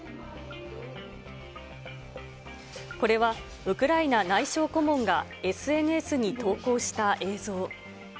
これはウクライナ内相顧問がＳＮＳに投稿した映像。